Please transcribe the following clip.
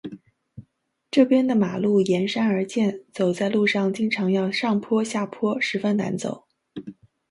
这边的马路沿山而建，走在路上经常要上坡下坡，十分难走。